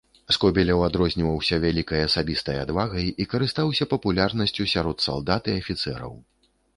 Скобелеў адрозніваўся вялікай асабістай адвагай і карыстаўся папулярнасцю сярод салдат і афіцэраў.